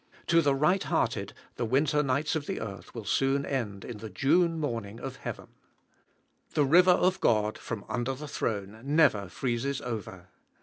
To the right hearted, the winter nights of earth will soon end in the June morning of heaven. The River of God, from under the Throne, never freezes over.